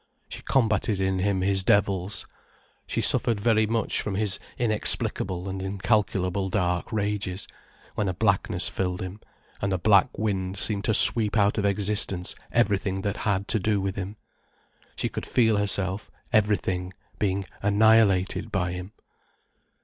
She combated in him his devils. She suffered very much from his inexplicable and incalculable dark rages, when a blackness filled him, and a black wind seemed to sweep out of existence everything that had to do with him. She could feel herself, everything, being annihilated by him.